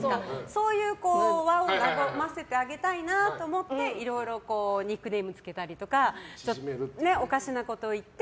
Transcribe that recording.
そういう場を和ませてあげたいなと思ってニックネームつけたりとかおかしなことを言って。